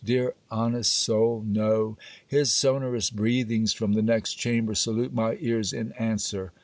Dear honest soul, no: his sonorous breathings from the next chamber salute my ears in answer.